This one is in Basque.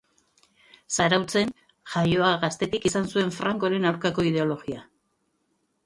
Zarautzen jaioa gaztetik izan zuen Francoren aurkako ideologia.